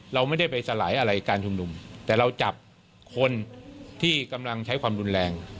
เราไม่ได้ไปสลายอะไรการชุมนุมแต่เราจับคนที่กำลังใช้ความรุนแรง